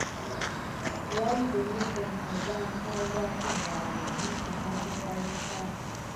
Wazldé naku azanke aoura siva muzutada de pay ka.